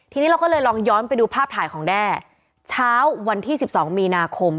ทีนี้เราก็เลยลองย้อนไปดูภาพถ่ายของแด้เช้าวันที่๑๒มีนาคม